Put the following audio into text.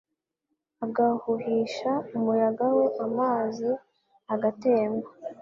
agahuhisha umuyaga we amazi agatemba